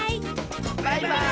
バイバーイ！